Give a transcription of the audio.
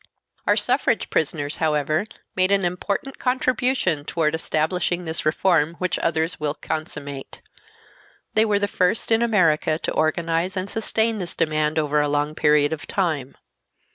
Our suffrage prisoners, however, made an important contribution toward establishing this reform which others will consummate. They were the first in America to organize and sustain this demand over a long period of time.